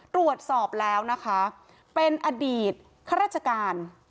ตรวจสอบแล้วนะคะเป็นอดีตข้าราชการ